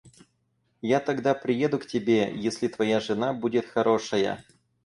Я тогда приеду к тебе, если твоя жена будет хорошая.